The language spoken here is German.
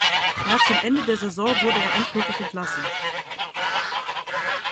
Nach dem Ende der Saison wurde er endgültig entlassen.